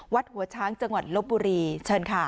วัดหัวช้างจังหวัดลบบุรีเชิญค่ะ